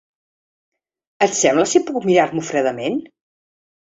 ¿Et sembla si puc mirar-m'ho fredament?